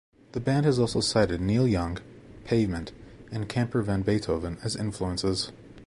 The band has also cited Neil Young, Pavement, and Camper Van Beethoven as influences.